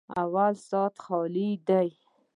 _اول سات خالي دی.